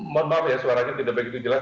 mohon maaf ya suaranya tidak begitu jelas